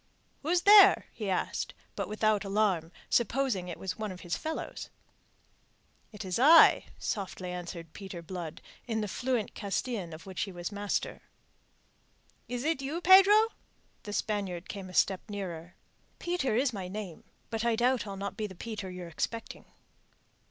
"Who's there?" he asked, but without alarm, supposing it one of his fellows. "It is I," softly answered Peter Blood in the fluent Castillan of which he was master. "Is it you, Pedro?" The Spaniard came a step nearer. "Peter is my name; but I doubt I'll not be the Peter you're expecting."